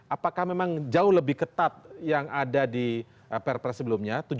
apakah memang jauh lebih ketat yang ada di perpres sebelumnya